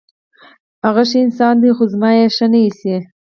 هغه ښه انسان دی، خو زما یې ښه نه ایسي.